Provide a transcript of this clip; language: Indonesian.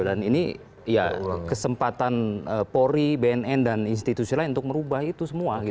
dan ini ya kesempatan pori bnn dan institusi lain untuk merubah itu semua